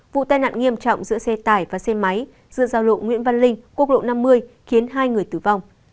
vụ tai nạn nghiêm trọng giữa xe tải và xe máy giữa giao lộ nguyễn văn linh quốc lộ năm mươi khiến hai người tử vong